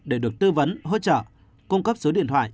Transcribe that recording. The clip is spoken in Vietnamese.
để được tư vấn hỗ trợ cung cấp số điện thoại